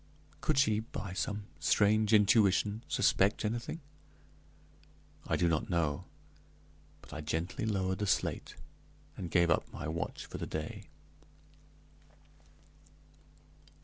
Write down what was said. Could she, by some strange intuition, suspect anything? I do not know; but I gently lowered the slate, and gave up my watch for the day.